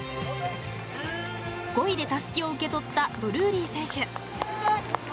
５位でたすきを受け取ったドルーリー選手。